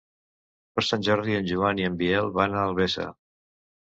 Per Sant Jordi en Joan i en Biel van a Albesa.